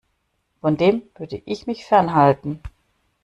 Von dem würde ich mich fernhalten.